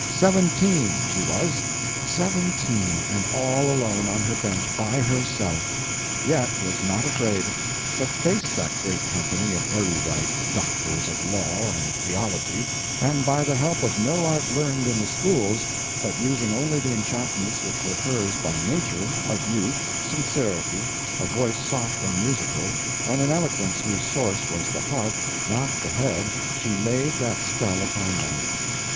Seventeen, she was—seventeen, and all alone on her bench by herself; yet was not afraid, but faced that great company of erudite doctors of law and theology, and by the help of no art learned in the schools, but using only the enchantments which were hers by nature, of youth, sincerity, a voice soft and musical, and an eloquence whose source was the heart, not the head, she laid that spell upon them.